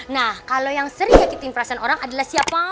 nah kalau yang sering jatuhin perasaan orang adalah siapa